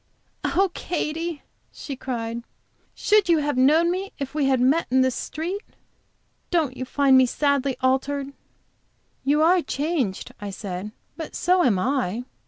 "Oh, Katy!" she cried, "should you have known me if we had met in the street? Don't you find me sadly altered?" "You are changed," I said, "but so am I."